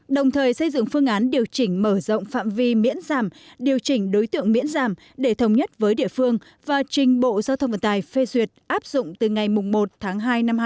đồng thời xây dựng phương án điều chỉnh mở rộng phạm vi miễn giảm điều chỉnh đối tượng miễn giảm để thống nhất với địa phương và trình bộ giao thông vận tải phê duyệt áp dụng từ ngày một tháng hai